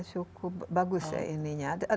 cukup bagus ya ininya